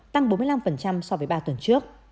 tăng bốn mươi năm so với ba tuần trước